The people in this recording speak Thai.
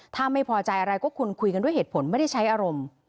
ถ้าไม่พอใจอะไรก็คุณคุยกันด้วยเหตุผลไม่ได้ใช้อารมณ์